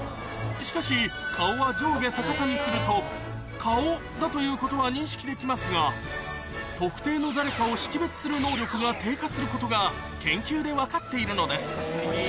しかし顔は上下逆さにすると顔だということは認識できますが特定の誰かを識別する能力が低下することが研究で分かっているのです